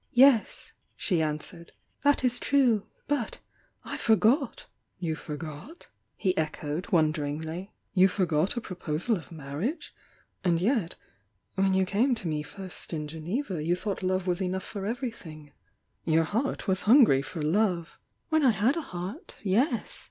"Yes," she answered— "That is true. But^I for got!" "You forgot?" he echoed, wonderingly. "You for got a proposal of marriage? And yet^ when you came to me first in Geneva you thought love was enough for everything,— your heart was hungry for love " 876 THE YOUNG DIANA :t nil l! ,■: I "When I had a heart — ^yes!"